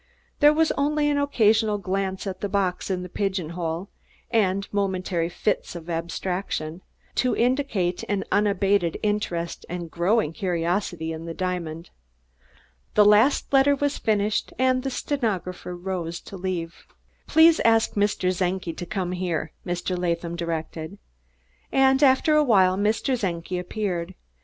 There was only an occasional glance at the box in the pigeonhole, and momentary fits of abstraction, to indicate an unabated interest and growing curiosity in the diamond. The last letter was finished, and the stenographer arose to leave. "Please ask Mr. Czenki to come here," Mr. Latham directed. And after a while Mr. Czenki appeared.